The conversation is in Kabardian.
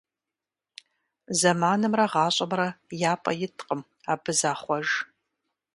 Зэманымрэ гъащӀэмрэ я пӀэ иткъым, абы захъуэж.